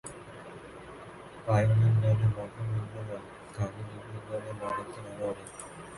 গায়ত্রী দেবী প্রথমে কিছুকাল শান্তিনিকেতনে পড়াশোনা করেন।